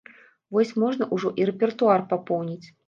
Вось можна ўжо і рэпертуар папоўніць.